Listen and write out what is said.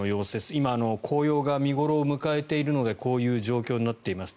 今、紅葉が見頃を迎えているのでこういう状況になっています。